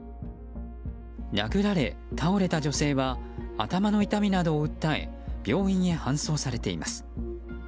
殴られ、倒れた女性は頭の痛みなどを訴え病院へ搬送されています。